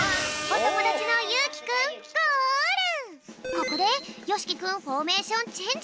ここでよしきくんフォーメーションチェンジ！